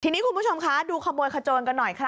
ทีนี้คุณผู้ชมคะดูขโมยขโจนกันหน่อยค่ะ